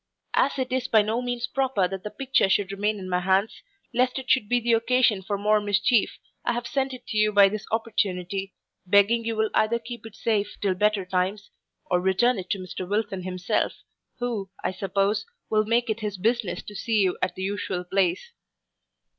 As it is by no means proper that the picture should remain in my hands, lest it should be the occasion of more mischief, I have sent it to you by this opportunity, begging you will either keep it safe till better times, or return it to Mr Wilson himself, who, I suppose, will make it his business to see you at the usual place.